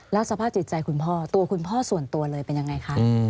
แล้วสภาพจิตใจคุณพ่อตัวคุณพ่อส่วนตัวเลยเป็นยังไงคะ